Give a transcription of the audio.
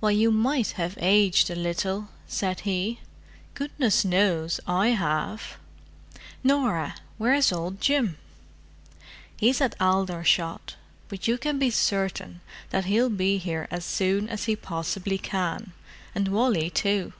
"Well, you might have aged a little," said he. "Goodness knows I have! Norah, where's old Jim?" "He's at Aldershot—but you can be certain that he'll be here as soon as he possibly can—and Wally too."